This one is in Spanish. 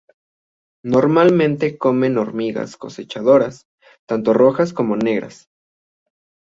Normalmente comen hormigas cosechadoras, tanto rojas como negras.